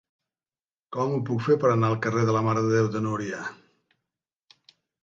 Com ho puc fer per anar al carrer de la Mare de Déu de Núria?